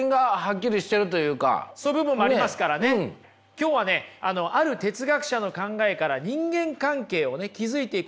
今日はねある哲学者の考えから人間関係を築いていくヒント